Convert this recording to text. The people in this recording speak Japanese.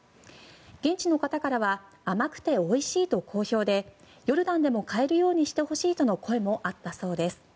現地の方からは甘くておいしいと好評でヨルダンでも買えるようにしてほしいとの声もあったそうです。